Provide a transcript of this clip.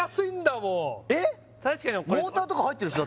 もうえっモーターとか入ってるでしょ？